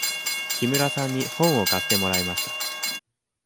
木村さんに本を貸してもらいました。